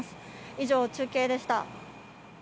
以上、中継でした。